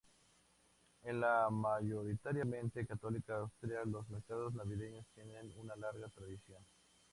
En la mayoritariamente católica Austria, los mercados navideños tienen una larga tradición.